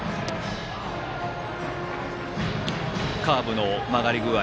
カーブの曲がり具合